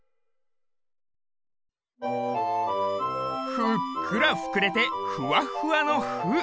ふっくらふくれてふわふわの「ふ」